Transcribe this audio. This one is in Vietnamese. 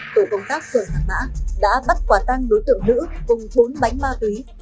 tổ công tác phường hàng mã đã bắt quả tăng đối tượng nữ cùng bốn bánh ma túy